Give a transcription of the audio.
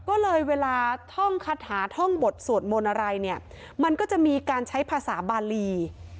ก็เลยเวลาท่องคาถาท่องบทสวดมนต์อะไรเนี่ยมันก็จะมีการใช้ภาษาบาลี